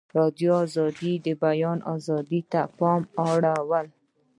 ازادي راډیو د د بیان آزادي ته پام اړولی.